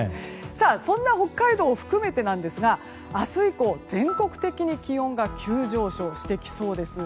そんな北海道を含めてですが明日以降全国的に気温が急上昇してきそうです。